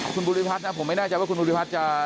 คุณภูริพัฒน์นะผมไม่แน่ใจว่าคุณภูริพัฒน์จะ